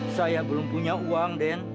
saya belum punya uang den